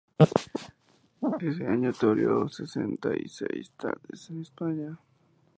Ese año toreó setenta y seis tardes en España.